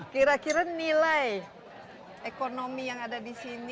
kira kira nilai ekonomi yang ada di sini